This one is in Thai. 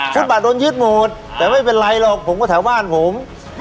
ฟุตบาทโดนยึดหมดแต่ไม่เป็นไรหรอกผมก็แถวบ้านผม